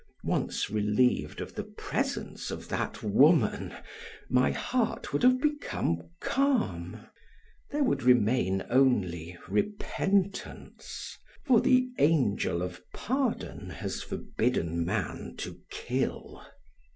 Once relieved of the presence of that woman, my heart would have become calm. There would remain only repentance, for the angel of pardon has forbidden man to kill.